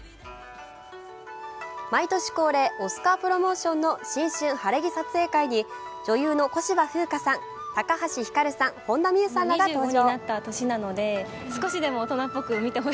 毎年恒例オスカープロモーションの新春晴れ着撮影会に女優の小芝風花さん、高橋ひかるさん、本田望結さんらが登場。